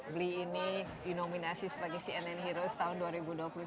bli ini dinominasi sebagai cnn heroes tahun dua ribu dua puluh satu